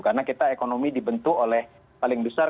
karena kita ekonomi dibentuk oleh paling besar